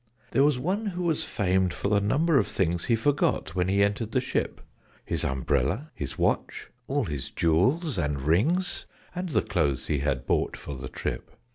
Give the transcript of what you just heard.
There was one who was famed for the number of things He forgot when he entered the ship: His umbrella, his watch, all his jewels and rings, And the clothes he had bought for the trip.